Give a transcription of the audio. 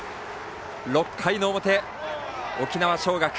６回の表、沖縄尚学